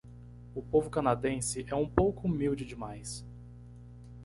O povo canadense é um pouco humilde demais.